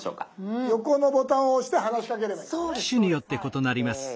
横のボタンを押して話しかければいいんですね。